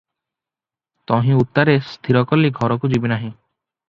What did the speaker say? ତହିଁ ଉତ୍ତାରେ ସ୍ଥିର କଲି, ଘରକୁ ଯିବି ନାହିଁ ।